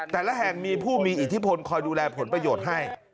แต่ละแห่งมีผู้มีอิทธิพลคอยดูแลผลประโยชน์ให้